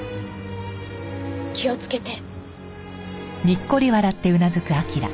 気をつけて。